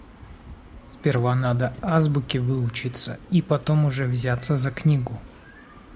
Сперва надо азбуке выучиться и потом уже взяться за книгу.